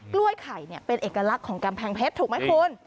กล้วยไข่เป็นเอกลักษณ์ของกำแพงเพชรถูกไหมคุณ